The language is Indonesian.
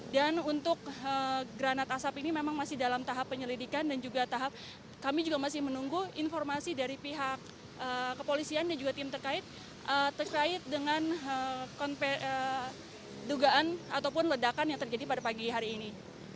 dan untuk granat asap ini memang masih dalam tahap penyelidikan dan juga tahap kami juga masih menunggu informasi dari pihak kepolisian dan juga tim terkait dengan dugaan ataupun ledakan yang terjadi pada pagi hari ini